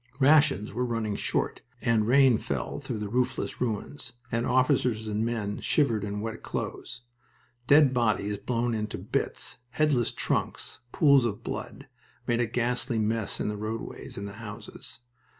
Rations were running short, and rain fell through the roofless ruins, and officers and men shivered in wet clothes. Dead bodies blown into bits, headless trunks, pools of blood, made a ghastly mess in the roadways and the houses.